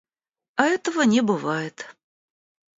А этого не бывает.